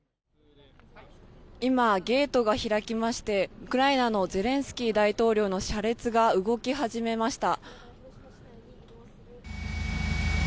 今、ゲートが開きましてウクライナのゼレンスキー大統領の車列が動き始めました。